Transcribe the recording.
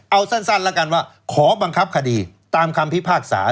เอาสั้นแล้วกันว่าขอบังคับคดีตามคำพิพากษา